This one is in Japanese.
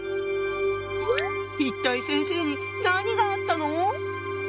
一体先生に何があったの？